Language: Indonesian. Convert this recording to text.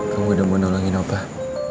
kamu udah mau nolongi opah